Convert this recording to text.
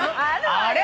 あれ？